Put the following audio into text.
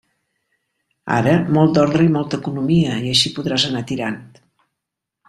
Ara molt d'ordre i molta economia, i així podràs anar tirant.